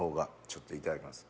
ちょっといただきます